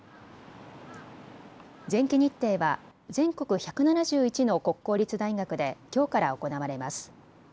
前期日程は全国１７１の国公立大学できょうから行われます。